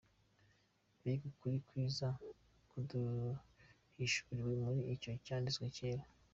Mbega ukuri kwiza kuduhishuriwe muri icyo cyanditswe cyera.